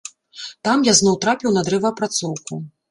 Там я зноў трапіў на дрэваапрацоўку.